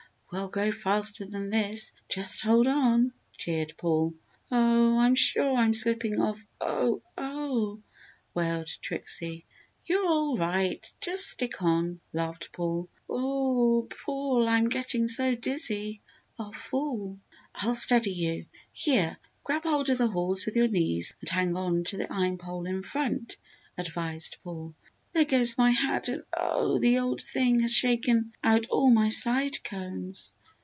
We'll go faster than this just hold on!" cheered Paul. "Oh, I'm sure I'm slipping off oh, oh!" wailed Trixie. "You're all right just stick on!" laughed Paul. "O oh Paul I'm getting so dizzy! I'll fall!" "I'll steady you; here, grab hold of the horse with your knees and hang on to the iron pole in front!" advised Paul. "There goes my hat and oh! the old thing has shaken out all my side combs!"